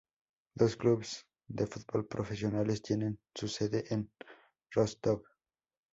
Dos clubes de fútbol profesionales tienen su sede en Rostov.